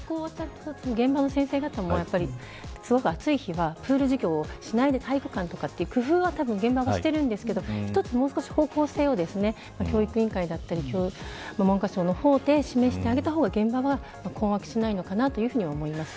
現場の先生方もやっぱりすごく暑い日はプール授業をしないで体育館というように現場でも工夫をしているんですが一つ方向性を教育委員会や文科省で示してあげた方が現場は困惑しないのかなと思います。